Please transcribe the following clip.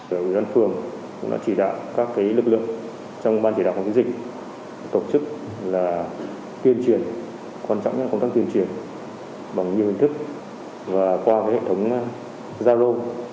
tổ dân phường nó chỉ đạo các cái lực lượng trong ban chỉ đạo phòng chống dịch tổ chức là tuyên truyền quan trọng là công tác tuyên truyền bằng nhiều hình thức và qua cái hệ thống gia lô